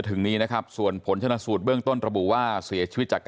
คุณไม่อยากไปเจอเขาในสภาพแบบนี้ใช่ไหมคะ